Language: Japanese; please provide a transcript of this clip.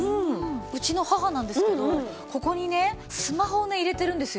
うちの母なんですけどここにねスマホを入れてるんですよ。